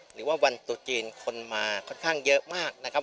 หรือว่าวันตุจีนคนมาค่อนข้างเยอะมากนะครับ